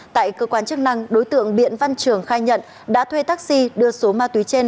tại cơ quan chức năng đối tượng biện văn trường khai nhận đã thuê taxi đưa số ma túy trên